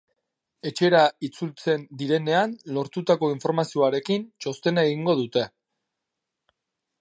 Etxera itzultzen direnean lortutako informazioarekin txostena egingo dute.